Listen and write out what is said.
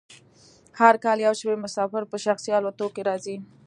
هر کال یو شمیر مسافر په شخصي الوتکو کې راځي